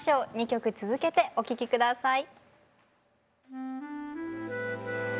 ２曲続けてお聴き下さい。